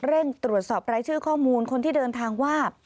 เร่งตรวจสอบรายชื่อข้อมูลคนที่เดินทางว่า